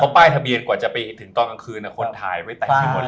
ป้ายทะเบียนกว่าจะไปถึงตอนกลางคืนคนถ่ายไว้แต่งไปหมดเลย